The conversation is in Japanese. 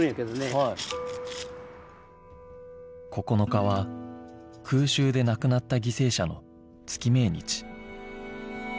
９日は空襲で亡くなった犠牲者の月命日